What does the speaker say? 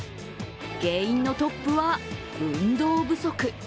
原因のトップは運動不足。